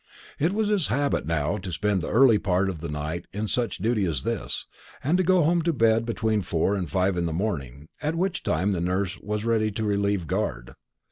It was his habit now to spend the early part of the night in such duty as this, and to go home to bed between four and five in the morning, at which time the nurse was ready to relieve guard.